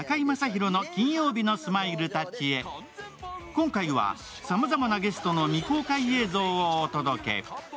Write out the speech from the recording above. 今回はさまざまなゲストの未公開映像をお届け。